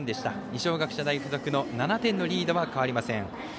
二松学舎大付属の７点のリードは変わりません。